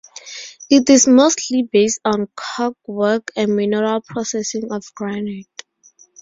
It is mostly based on cork work and mineral processing of granite.